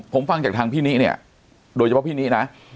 ผมฟังจากทางพี่นิเนี่ยโดยเฉพาะพี่นินะ